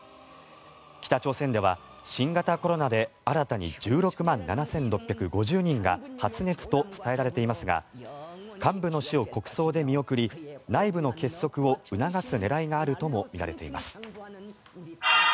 北朝鮮では新型コロナで新たに１６万７６５０人が発熱と伝えられていますが幹部の死を国葬で見送り内部の結束を促す狙いがあるともみられています。